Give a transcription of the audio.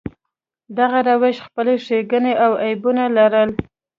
دغه روش خپلې ښېګڼې او عیبونه لرل.